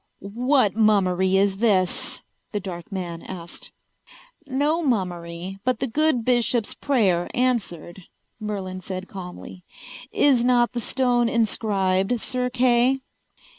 "What mummery is this?" the dark man asked. "No mummery, but the good bishop's prayer answered," Merlin said calmly. "Is not the stone inscribed, Sir Kay?"